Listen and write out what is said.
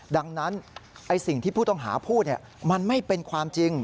ดังนั้นสิ่งที่ผู้ต้องหาพูดมันไม่เป็นความจริง